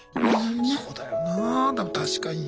そうだよなでも確かに。